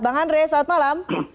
bang andre selamat malam